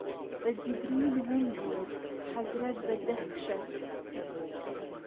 کە جیبریل ون بوو، حەزرەت بە دەهشەت